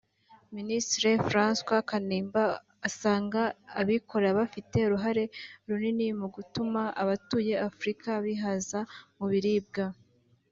Minisitiri Francois Kanimba asanga abikorera bafite uruhare runini mu gutuma abatuye Afurika bihaza mu biribwa